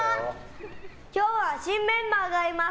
今日は新メンバーがいます！